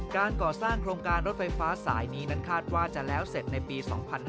การก่อสร้างโครงการรถไฟฟ้าสายนี้นั้นคาดว่าจะแล้วเสร็จในปี๒๕๕๙